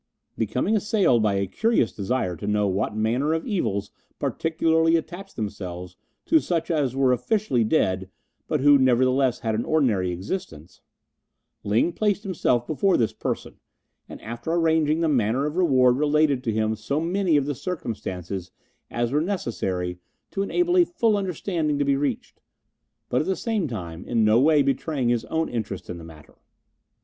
Becoming assailed by a curious desire to know what manner of evils particularly attached themselves to such as were officially dead but who nevertheless had an ordinary existence, Ling placed himself before this person, and after arranging the manner of reward related to him so many of the circumstances as were necessary to enable a full understanding to be reached, but at the same time in no way betraying his own interest in the matter.